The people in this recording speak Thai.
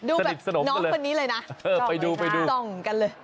ดูแบบน้องคนนี้เลยนะส่องกันเลย